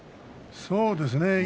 そうですね。